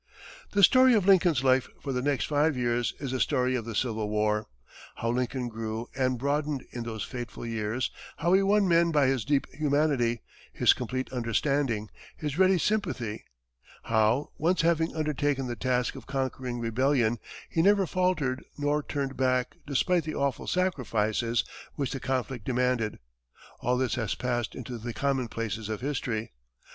The story of Lincoln's life for the next five years is the story of the Civil War. How Lincoln grew and broadened in those fateful years, how he won men by his deep humanity, his complete understanding, his ready sympathy; how, once having undertaken the task of conquering rebellion, he never faltered nor turned back despite the awful sacrifices which the conflict demanded; all this has passed into the commonplaces of history.